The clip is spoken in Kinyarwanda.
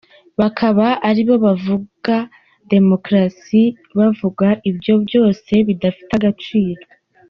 Bakaba ari bo bavuga demukarasi, bavuga ibyo byose bidafite agaciro.